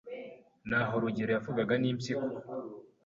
naho rugero yavugaga ni impyiko